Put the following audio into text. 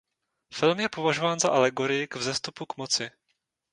Film je považován za alegorii k vzestupu k moci.